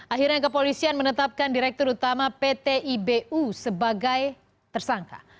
akhirnya kepolisian menetapkan direktur utama pt ibu sebagai tersangka